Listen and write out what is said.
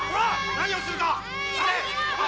何をするか！